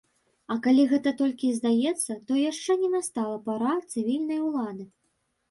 А калі гэта толькі і здаецца, то яшчэ не настала пара цывільнай улады.